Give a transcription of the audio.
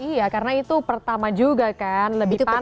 iya karena itu pertama juga kan lebih panjang